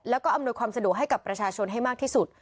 แล้วก็อำนวยความสะดวกให้กับประชาชนให้มากที่สุด